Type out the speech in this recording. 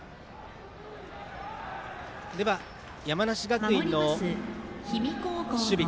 では、山梨学院の守備。